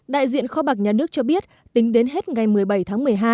đại diện kho bạc nhà nước cho biết tính đến hết ngày một mươi bảy tháng một mươi hai